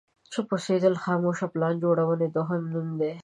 چوپ اوسېدل د خاموشه پلان جوړونې دوهم نوم دی.